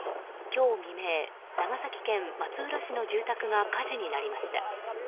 今日未明、長崎県松浦市の住宅が火事になりました。